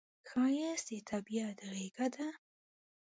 ښایست د طبیعت غېږه ده